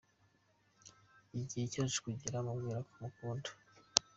Igihe cyaje kugera mubwira ko mukunda.